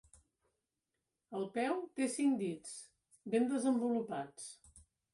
El peu té cinc dits, ben desenvolupats.